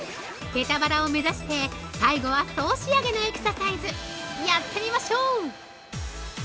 ペタ腹を目指して最後は総仕上げのエクササイズやってみましょう！